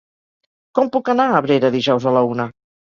Com puc anar a Abrera dijous a la una?